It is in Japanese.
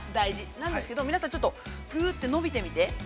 なんですけど、皆さんちょっと、ぐっと伸びてみて。